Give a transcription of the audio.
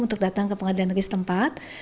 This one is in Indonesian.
untuk datang ke pengadilan risetempat